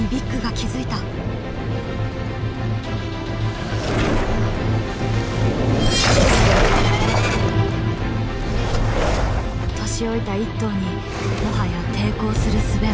年老いた一頭にもはや抵抗するすべはない。